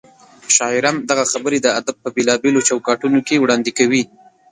شاعران دغه خبرې د ادب په بېلابېلو چوکاټونو کې وړاندې کوي.